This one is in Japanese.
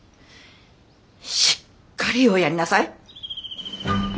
しっかりおやりなさい。